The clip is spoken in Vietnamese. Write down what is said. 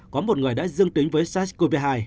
có một người đã dương tính với sars cov hai